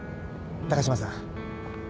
高島さん